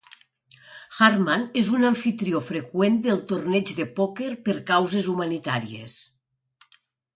Harman és un amfitrió freqüent del torneig de pòquer per causes humanitàries.